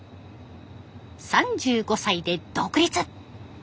３５歳で独立。